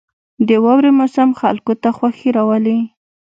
• د واورې موسم خلکو ته خوښي راولي.